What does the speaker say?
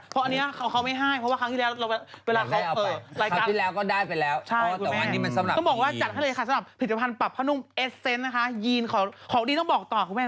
ตอนนี้นะคะเอสเซนต์คุณแม่เลิศมากจัดให้ค่ะนี่คุณแม่